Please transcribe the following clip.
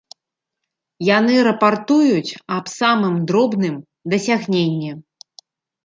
Яны рапартуюць аб самым дробным дасягненні.